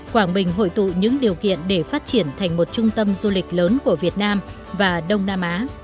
quảng bình hội tụ những điều kiện để phát triển thành một trung tâm du lịch lớn của việt nam và đông nam á